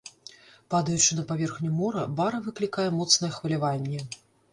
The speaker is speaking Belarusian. Падаючы на паверхню мора, бара выклікае моцнае хваляванне.